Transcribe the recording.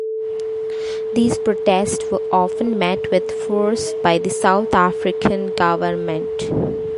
These protests were often met with force by the South African Government.